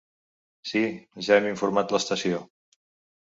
Sí, ja hem informat l'estació.